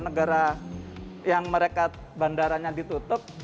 negara yang mereka bandaranya ditutup